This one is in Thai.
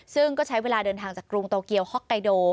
ซึ่งก็ใช้เวลาเดินทางจากกรุงโตเกียวฮ็อกไกโด